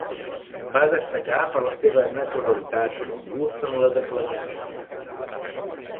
Va destacar per la seva naturalitat i bon gust en la declamació.